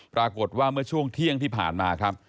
ปรากฏว่าเมื่อช่วงเที่ยงที่ผ่านมาครับ